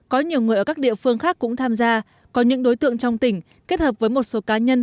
có nhiều người ở các địa phương khác cũng tham gia có những đối tượng trong tỉnh kết hợp với một số cá nhân